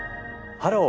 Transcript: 「ハロー！